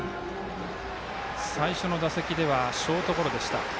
最初の打席ではショートゴロ。